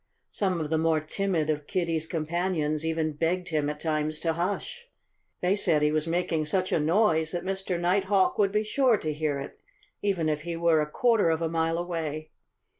Some of the more timid of Kiddie's companions even begged him, at times, to hush. They said he was making such a noise that Mr. Nighthawk would be sure to hear it, even if he were a quarter of a mile away.